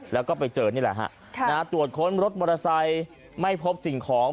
แล้วก็ไปเจอนี่แหละฮะตรวจค้นรถมอเตอร์ไซค์ไม่พบสิ่งของ